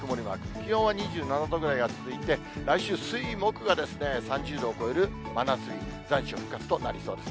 気温は２７度ぐらいが続いて、来週水、木が３０度を超える真夏日、残暑復活となりそうです。